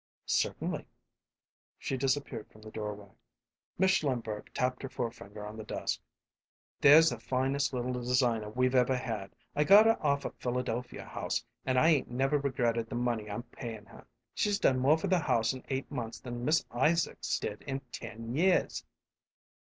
"Certainly." She disappeared from the doorway. Mrs. Schlimberg tapped her forefinger on the desk. "There's the finest little designer we've ever had! I got her off a Philadelphia house, and I 'ain't never regretted the money I'm payin' her. She's done more for the house in eight months than Miss Isaacs did in ten years!"